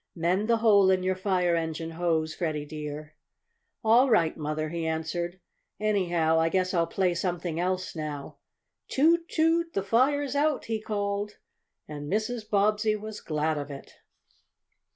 Mend the hole in your fire engine hose, Freddie dear." "All right, Mother," he answered. "Anyhow, I guess I'll play something else now. Toot! Toot! The fire's out!" he called, and Mrs. Bobbsey was glad of it.